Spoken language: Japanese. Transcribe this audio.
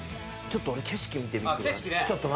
ちょっと俺景色見てくる。